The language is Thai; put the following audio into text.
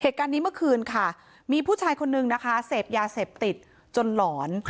เหตุการณ์นี้เมื่อคืนค่ะมีผู้ชายคนนึงนะคะเสพยาเสพติดจนหลอน